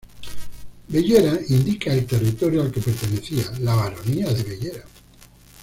Bellera indica el territorio al que pertenecía: la baronía de Bellera.